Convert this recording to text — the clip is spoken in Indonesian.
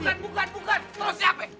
bukan bukan bukan terus siapa ya